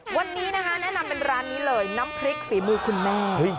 วันนี้นะคะแนะนำเป็นร้านนี้เลยน้ำพริกฝีมือคุณแม่